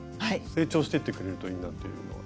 成長していってくれるといいなっていうのは。